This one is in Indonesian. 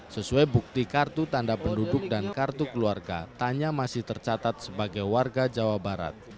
sesuai bukti kartu tanda penduduk dan kartu keluarga tanya masih tercatat sebagai warga jawa barat